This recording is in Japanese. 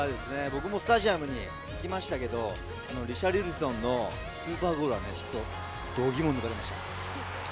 僕もスタジアムに行きましたけどリシャルリソンのスーパーゴールは度肝を抜かれました。